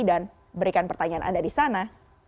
dan berikan pertanyaan anda di sana